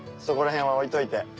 そこら辺は置いといて。